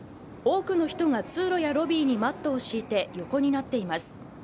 多くの人が通路やロビーにマットを敷いて横になっています。